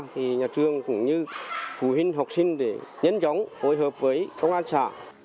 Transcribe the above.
thì nhà trường cũng như phụ huynh học sinh để nhấn chống phối hợp với công an xã